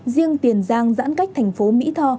riêng tiền giang giãn cách thành phố mỹ tho